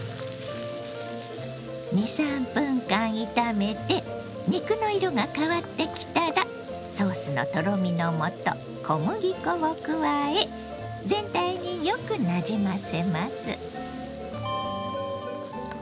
２３分間炒めて肉の色が変わってきたらソースのとろみのもと小麦粉を加え全体によくなじませます。